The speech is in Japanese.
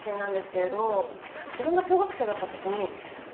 自分が小学生だったときに。